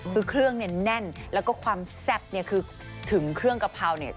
คือเครื่องเน่นแล้วก็ความแซ่บคือถึงเครื่องกะเพรา